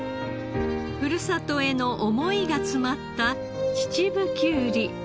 ふるさとへの想いが詰まった秩父きゅうり。